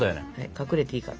隠れていいから。